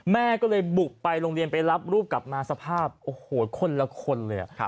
แม่ก็เลยบุกไปโรงเรียนไปรับลูกกลับมาสภาพโอ้โหคนละคนเลย